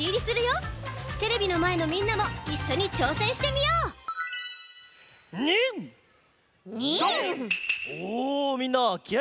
テレビのまえのみんなもいっしょにちょうせんしてみよう！にんっ！にんっ！